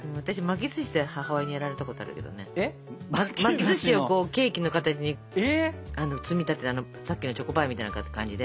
巻きずしをケーキの形に積み立ててさっきのチョコパイみたいな感じで。